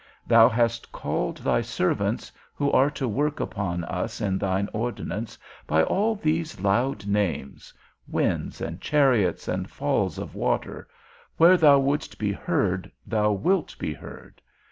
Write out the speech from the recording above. Thou hast called thy servants, who are to work upon us in thine ordinance, by all these loud names winds, and chariots, and falls of waters; where thou wouldst be heard, thou wilt be heard.